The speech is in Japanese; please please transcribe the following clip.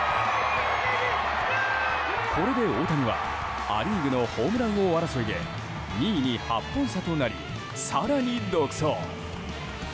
これで大谷はア・リーグのホームラン王争いで２位に８本差となり更に独走。